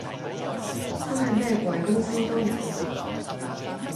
真係咩鬼公司都有